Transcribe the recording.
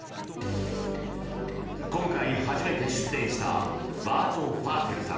今回初めて出展したバート・ファーテルさん